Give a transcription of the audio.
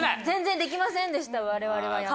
全然できませんでした我々は。